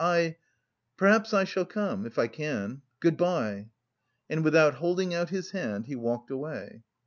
I... perhaps I shall come... if I can. Good bye." And without holding out his hand he walked away.